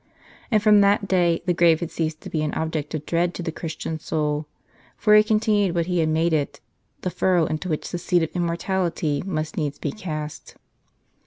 And from that day the grave had ceased to be an object of dread to the Christian soul, for it continued what he had made it, — the furrow into which the seed of immortality must needs be cast.